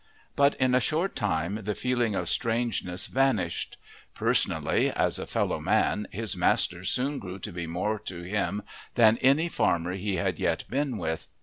But in a short time the feeling of strangeness vanished: personally, as a fellow man, his master soon grew to be more to him than any farmer he had yet been with.